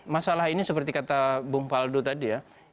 masalah ini seperti kata bung paldo tadi ya